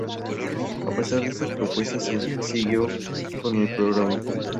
A pesar de estas propuestas, se siguió con el programa.